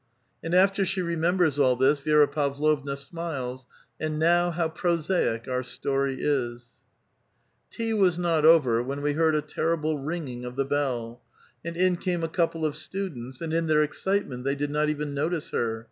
And after she remembers all this, Vi^ra Pavlovna smiles and *' now how prosaic our story is !" Tea was not over when we heard a terrible ringing of the bell, and in came a couple of students, and in their excite ment thev did not even notice her.